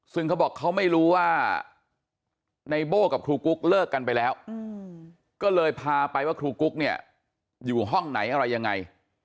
ซึ่งเขาบอกเขาไม่รู้ว่าในโบ้กับครูกุ๊กเลิกกันไปแล้วก็เลยพาไปว่าครูกุ๊กเนี่ยอยู่ห้องไหนอะไรยังไง